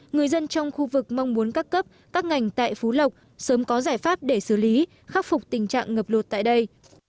người dân trong khu vực mong muốn các cấp các ngành tại phú lộc sớm có giải pháp để xử lý khắc phục tình trạng ngập lụt tại đây